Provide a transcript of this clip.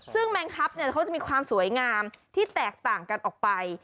ซึ่งแมงคับเขาจะมีความสวยงามที่แตกต่างกันออกไป